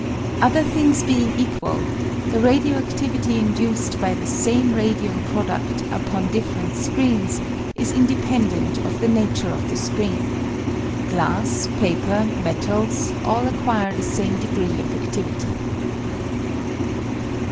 Other things being equal, the radio adivity induced by the same radium produd upon different screens is in dependent of the nature of the screen. Glass, paper, metals, all acquire the same degree of adivity.